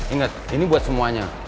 ingat ini buat semuanya